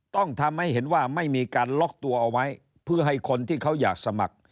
ต้องทำให้เห็นว่าไม่มีการล็อกตัวเอาไว้เพื่อให้คนที่เขาอยากสมัคร